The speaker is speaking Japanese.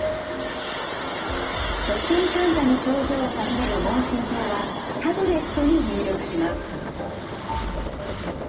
初診患者に症状を尋ねる問診票はタブレットに入力します。